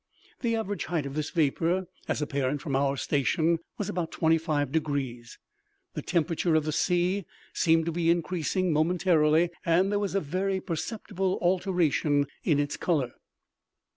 The average height of this vapor, as apparent from our station, was about twenty five degrees. The temperature of the sea seemed to be increasing momentarily, and there was a very perceptible alteration in its color.